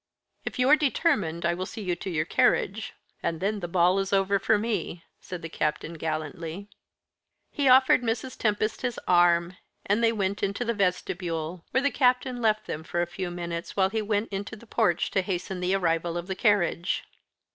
"If you are determined, I will see you to your carriage, and then the ball is over for me," said the Captain gallantly. He offered Mrs. Tempest his arm, and they went put into the vestibule, where the Captain left them for a few minutes, while he went into the porch to hasten the arrival of the carriage.